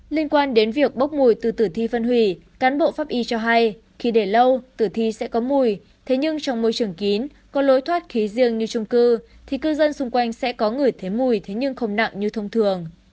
liên quan đến việc bốc mùi từ tử thi phân hủy cán bộ pháp y cho hay khi để lâu tử thi sẽ có mùi thế nhưng trong môi trường kín có lối thoát khí riêng như trung cư thì cư dân xung quanh sẽ có người thấy mùi thế nhưng không nặng như thông thường